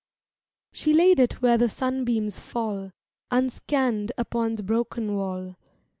SHE laid it where the sunbeams fall Unscann'd upon the broken wall.